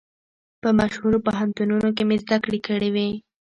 په مشهورو پوهنتونو کې مې زده کړې کړې وې.